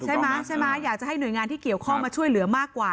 ใช่ไหมใช่ไหมอยากจะให้หน่วยงานที่เกี่ยวข้องมาช่วยเหลือมากกว่า